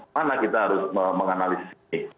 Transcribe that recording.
mana kita harus menganalisis ini